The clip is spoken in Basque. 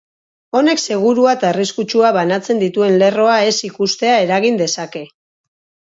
Honek segurua eta arriskutsua banatzen dituen lerroa ez ikustea eragin dezake.